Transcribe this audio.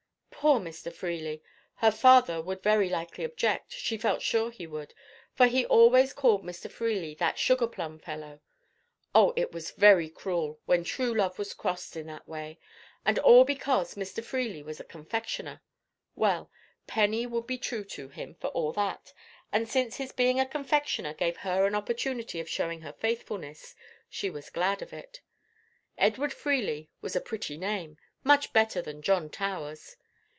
Poor Mr. Freely! her father would very likely object—she felt sure he would, for he always called Mr. Freely "that sugar plum fellow." Oh, it was very cruel, when true love was crossed in that way, and all because Mr. Freely was a confectioner: well, Penny would be true to him, for all that, and since his being a confectioner gave her an opportunity of showing her faithfulness, she was glad of it. Edward Freely was a pretty name, much better than John Towers.